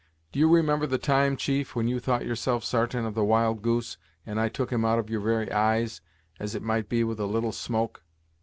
Do you remember the time, chief, when you thought yourself sartain of the wild goose, and I took him out of your very eyes, as it might be with a little smoke!